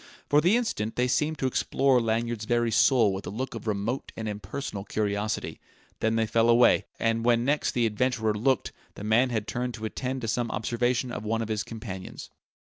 For the instant they seemed to explore Lanyard's very soul with a look of remote and impersonal curiosity; then they fell away; and when next the adventurer looked, the man had turned to attend to some observation of one of his companions.